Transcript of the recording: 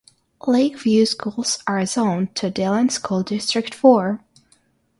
Lake View schools are zoned to Dillon School District Four.